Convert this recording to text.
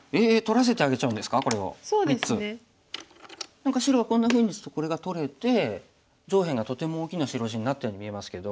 何か白がこんなふうに打つとこれが取れて上辺がとても大きな白地になったように見えますけど。